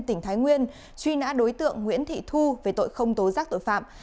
tỉnh thái nguyên truy nã đối tượng nguyễn thị thu về tội không tố giác tội phạm